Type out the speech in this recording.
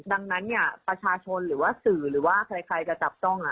ดังนั้นเนี่ยประชาชนหรือว่าสื่อหรือว่าใครจะจับจ้อง